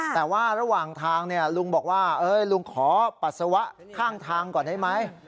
แต่ว่าระหว่างทางลุงบอกว่าลุงขอปัสสาวะข้างทางก่อนได้ไหม